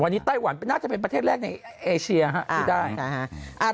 วันนี้ไต้หวันน่าจะเป็นประเทศแรกในเอเชียที่ได้